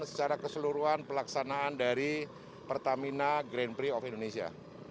secara keseluruhan pelaksanaan dari pertamina grand prix of indonesia